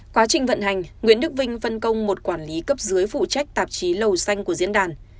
quá trình vận hành nguyễn đức vinh phân công một quản lý cấp dưới phụ trách tạp chí lầu xanh của diễn đàn